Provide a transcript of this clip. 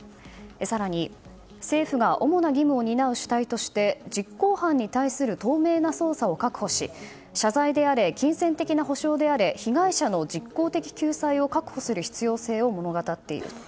更に、政府が主な義務を担う主体として実行犯に対する透明な捜査を確保し謝罪であれ、金銭的な補償であれ被害者の実効的救済を確保する必要性を物語っていると。